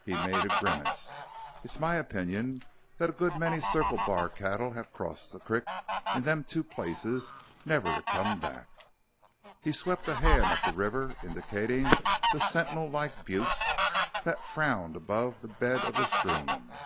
He made a grimace. "It's my opinion that a good many Circle Bar cattle have crossed the crick in them two places never to come back." He swept a hand up the river, indicating the sentinel like buttes that frowned above the bed of the stream.